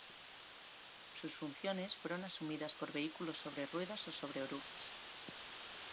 Sus funciones fueron asumidas por vehículos sobre ruedas o sobre orugas.